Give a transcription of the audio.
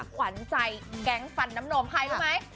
ขวัญใจแก๊งฟันน้ำนมใครรู้ไหม